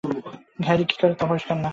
Harry কী করে, তা পরিষ্কার না।